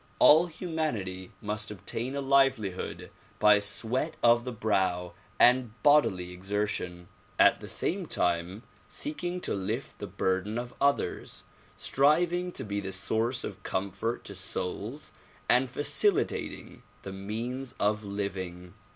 All humanity must obtain a livelihood by sweat of the brow and bodily exertion ; at the same time seeking to lift the bur den of others, striving to be the source of comfort to souls and facilitating the means of living.